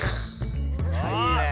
いいねえ。